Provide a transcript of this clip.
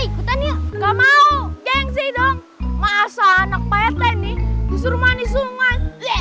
ikutannya gak mau gengsi dong masa anak payetnya nih disuruh manis sungai